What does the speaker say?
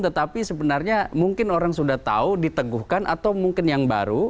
tetapi sebenarnya mungkin orang sudah tahu diteguhkan atau mungkin yang baru